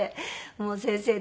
もう先生と。